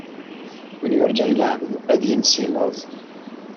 Win yuṛǧan lɛebd, ad yens i laẓ.